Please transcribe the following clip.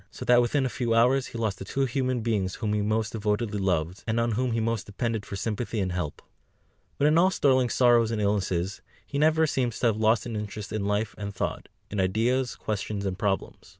So that within a few hours he lost the two human beings whom he most devotedly loved, and on whom he most depended for sympathy and help. But in all Sterling's sorrows and illnesses, he never seems to have lost his interest in life and thought, in ideas, questions, and problems.